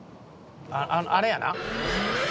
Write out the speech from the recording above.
あれやな。